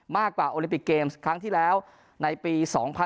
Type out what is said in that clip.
มากกว่าโอลิปิกเกมส์ครั้งที่แล้วในปี๒๐๑๖